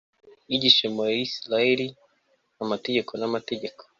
yigishe mu bisirayeli amategeko n amateka